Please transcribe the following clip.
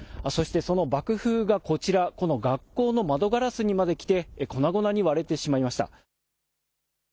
そして、その爆風がこちら、この学校の窓ガラスにまで来て粉々に割れてしまいました。